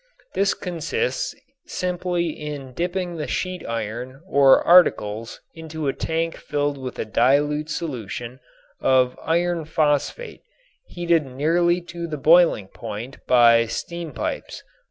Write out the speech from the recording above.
This consists simply in dipping the sheet iron or articles into a tank filled with a dilute solution of iron phosphate heated nearly to the boiling point by steam pipes.